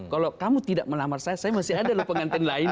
kalau kamu tidak melamar saya saya masih ada loh pengantin lain